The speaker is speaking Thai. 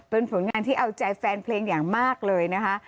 เป็นผลงานที่เอาใจแฟนเพลงอย่างมากเลยนะคะ